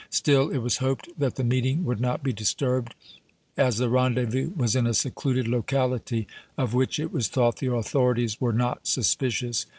Still, it was hoped that the meeting would not be disturbed, as the rendezvous was in a secluded locality, of which, it was thought, the authorities were not suspicious.